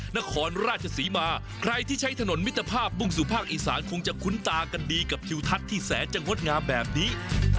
นครราชศรีมาใครที่ใช้ถนนมิตรภาพมุ่งสู่ภาคอีสานคงจะคุ้นตากันดีกับทิวทัศน์ที่แสนจะงดงามแบบนี้